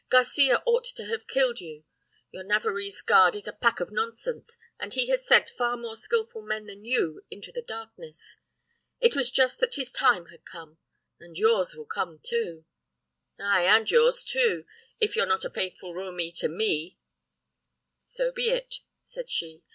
'Garcia ought to have killed you. Your Navarrese guard is a pack of nonsense, and he has sent far more skilful men than you into the darkness. It was just that his time had come and yours will come too.' "'Ay, and yours too! if you're not a faithful romi to me.' "'So be it,' said she.